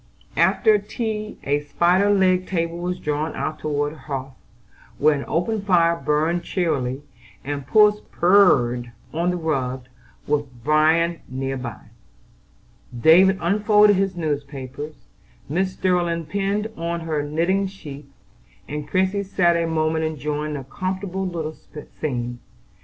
After tea a spider legged table was drawn out toward the hearth, where an open fire burned cheerily, and puss purred on the rug, with Bran near by. David unfolded his newspapers, Mrs. Sterling pinned on her knitting sheath, and Christie sat a moment enjoying the comfortable little scene.